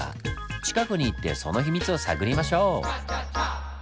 近くに行ってその秘密を探りましょう！